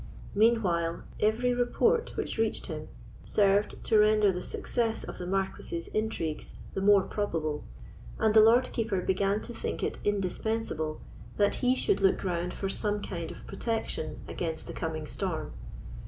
Meanwhile, every report which reached him served to render the success of the Marquis's intrigues the more probable, and the Lord Keeper began to think it indispensable that he should look round for some kind of protection against the coming storm.